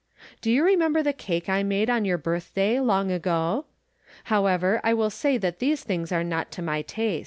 Do you remember the cake I made oh your birthday, long ago ? However, I will say that these things are not to my taste.